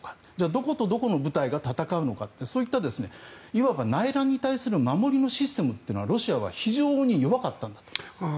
どことどこの部隊が戦うのかってそういった、いわば内乱に対する守りのシステムはロシアは非常に弱かったんだと思います。